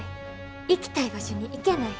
行きたい場所に行けない。